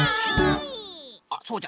あっそうじゃ。